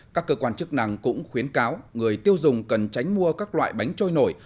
các cơ quan chức năng cũng khuyến cáo người tiêu dùng cần tránh mua các loại bánh trôi nổi